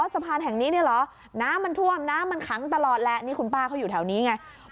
สะพานแห่งนี้เนี่ยเหรอน้ำมันท่วมน้ำมันขังตลอดแหละนี่คุณป้าเขาอยู่แถวนี้ไง